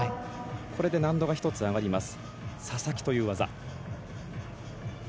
これで難度が１つ上がります。